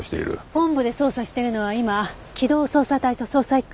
本部で捜査してるのは今機動捜査隊と捜査一課？